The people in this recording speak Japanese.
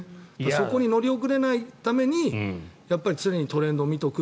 そこに乗り遅れないために常にトレンドを見とく。